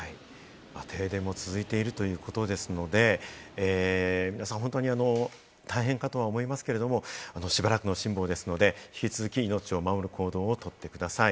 停電も続いているということですので、皆さん本当に大変かとは思いますけれども、しばらくの辛抱ですので、引き続き命を守る行動をとってください。